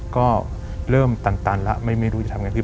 ก็เริ่มตันละไม่รู้จะทำยังไง